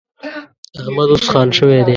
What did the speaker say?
احمد اوس خان شوی دی.